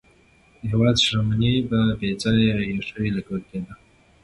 د هېواد شتمني په بېځایه عیاشیو لګول کېده.